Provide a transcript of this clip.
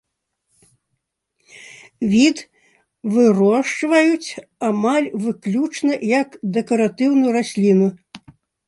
Від вырошчваюць амаль выключна як дэкаратыўную расліну.